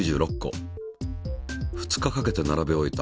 ２日かけて並べ終えた。